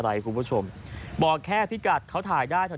อะไรคุณผู้ชมบอกแค่ภิกรัฐเขาถ่ายได้ทาง